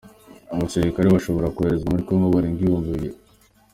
Abasirikare bashobora koherezwa muri kongo barenga ibihumbi bibiri